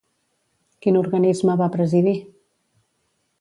Quin organisme va presidir?